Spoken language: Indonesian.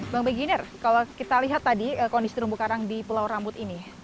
bang beginner kalau kita lihat tadi kondisi terumbu karang di pulau rambut ini